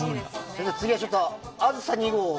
次は「あずさ２号」を。